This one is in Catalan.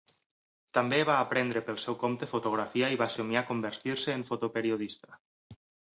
També va aprendre pel seu compte fotografia i va somiar convertir-se en fotoperiodista.